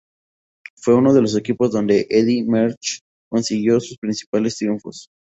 Fue uno de los equipos donde Eddy Merckx consiguió sus principales triunfos.